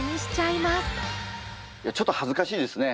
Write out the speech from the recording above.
いやちょっと恥ずかしいですね。